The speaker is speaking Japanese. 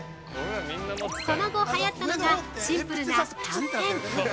その後、はやったのがシンプルな缶ペン。